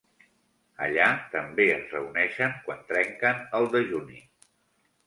Allà també es reuneixen quan trenquen el dejuni.